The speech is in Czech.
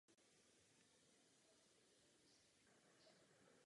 Album bylo ve dvou kategoriích nominováno na cenu Grammy.